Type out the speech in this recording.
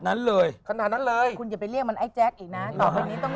นั้นเลยขนาดนั้นเลยคุณอย่าไปเรียกมันไอ้แจ๊คอีกนะต่อไปนี้ต้อง